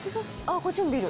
こっちもビール。